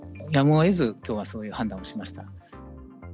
やむをえず、きょうはそういう判断をしました。